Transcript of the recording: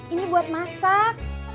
ini buat masak